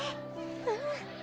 うん。